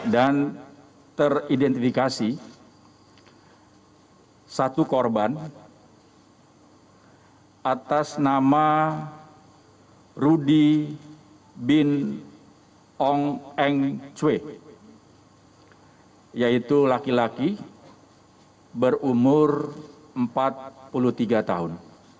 dan teridentifikasi satu korban atas nama rudy bin ong eng cue yaitu laki laki berumur empat puluh tiga tahun